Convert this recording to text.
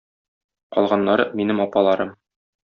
Калганнары - минем апаларым.